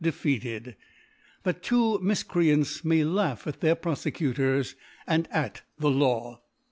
112 ) defeated, that two Mifcreants may laugh at their Pfofecutors, and at the Law.